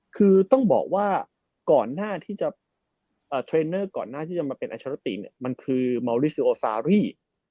คือต้องบอกว่าก่อนหน้าที่จะเทรนเนอร์ก่อนหน้าที่จะมาเป็นอัชรติเนี่ยมันคือเมาลิซิโอซารี่